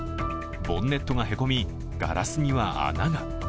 ボンネットがへこみガラスには穴が。